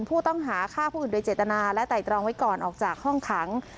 ผู้ต้องหาฆ่าผู้อื่นโดยเจตนาและไต่ตรองไว้ก่อนออกจากห้องขัง